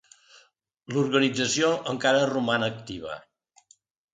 L'organització encara roman activa.